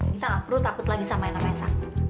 kita gak perlu takut lagi sama enam esang